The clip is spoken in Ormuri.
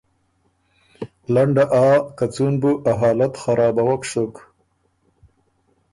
لنډه آ که څُون بُو ا حالت خرابوک سُک